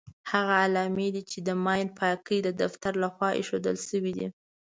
هغه علامې دي چې د ماین پاکۍ د دفتر لخوا ايښودل شوې دي.